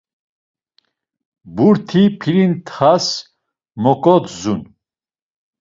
Burti pilithas moǩodzun.